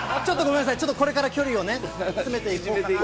これから距離を詰めて行こうかな。